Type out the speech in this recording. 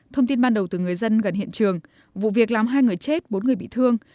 thông tin ban đầu từ người dân gần hiện trường vụ việc làm hai người chết bốn người bị thương